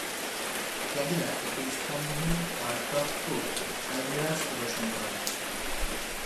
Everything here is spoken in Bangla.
ক্যাডিলাক একটি স্তম্ভহীন হার্ডটপ কুপ, এলমিরাজ প্রদর্শন করে।